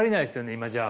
今じゃあ。